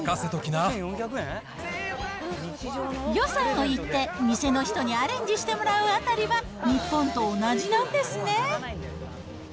予算を言って、店の人にアレンジしてもらうあたりは、日本と同じなんですね。